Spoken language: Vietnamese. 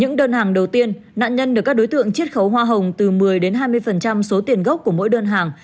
những đơn hàng đầu tiên nạn nhân được các đối tượng chiết khấu hoa hồng từ một mươi hai mươi số tiền gốc của mỗi đơn hàng